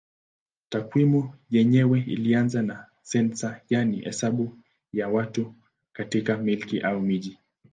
Takwimu yenyewe ilianza na sensa yaani hesabu ya watu katika milki au mji.